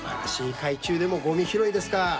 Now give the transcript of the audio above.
海中でもごみ拾いですか！